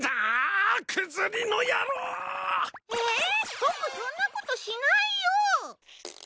僕そんなことしないよ。